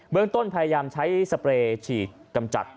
เมืองต้นพยายามใช้สเปรย์ฉีดกำจัด